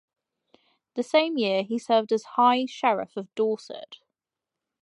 That same year he served as High Sheriff of Dorset.